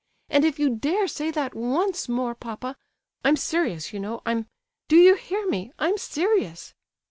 "And if you dare say that once more, papa—I'm serious, you know, I'm,—do you hear me—I'm serious!"